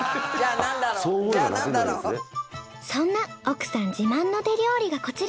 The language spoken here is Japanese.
そんな奥さん自慢の手料理がこちら。